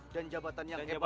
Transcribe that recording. dan jabatan yang hebat